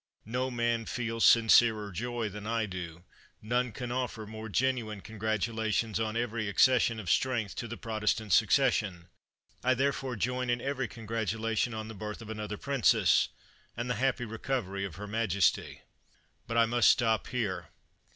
No man feels sincerer joy than I do; none can offer more genuine congratula tions on every accession of strength to the Pro testant succession. I therefore join in every congratulation on the birth of another princess, and the happy recovery of her majesty. But I must stop here.